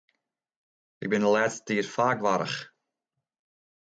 Ik bin de lêste tiid faak warch.